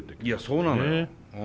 いやそうなのよ。